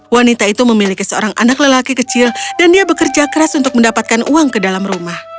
wanita itu memiliki seorang anak lelaki kecil dan dia bekerja keras untuk mendapatkan uang ke dalam rumah